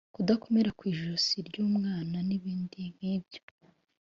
kudakomera kw’ijosi ry’umwana n’ibindi nk’ibyo